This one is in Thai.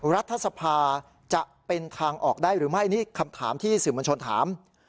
รัฐสภาจะเป็นทางออกได้หรือไม่นี่คำถามที่สื่อมวลชนถาม